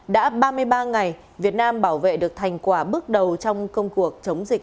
đã ba mươi ba ngày việt nam bảo vệ được thành quả bước đầu trong công cuộc chống dịch